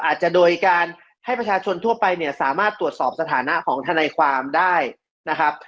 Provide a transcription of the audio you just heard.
อาจจะโดยการให้ประชาชนทั่วไปเนี่ยสามารถตรวจสอบสถานะของทนายความได้นะครับ